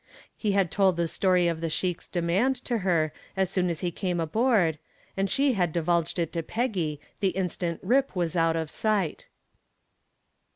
He had told the story of the sheik's demand to her as soon as he came aboard, and she had divulged it to Peggy the instant "Rip" was out of sight.